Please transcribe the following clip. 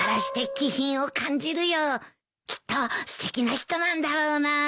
きっとすてきな人なんだろうな。